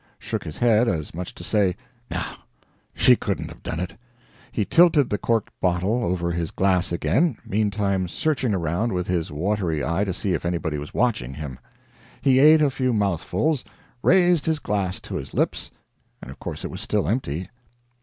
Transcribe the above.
Shook his head, as much as to say, "No, she couldn't have done it." He tilted the corked bottle over his glass again, meantime searching around with his watery eye to see if anybody was watching him. He ate a few mouthfuls, raised his glass to his lips, and of course it was still empty.